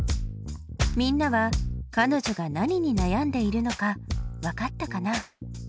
みんなはかのじょが何に悩んでいるのかわかったかな？